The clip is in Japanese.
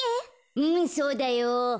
うんそうだよ。